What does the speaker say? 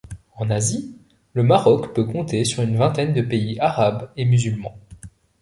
En Asie, le Maroc peut compter sur une vingtaine de pays arabes et musulmans.